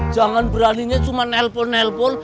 jangan beraninya cuma nelpon nelpon